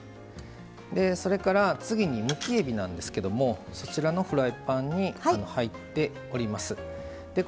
それから次にむきえびなんですけどフライパンに入っております。